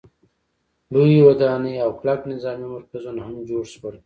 لویې ودانۍ او کلک نظامي مرکزونه هم جوړ شول.